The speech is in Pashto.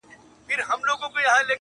د پېغلوټو تر پاپیو به شم لاندي.!